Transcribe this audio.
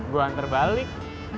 gua antar balik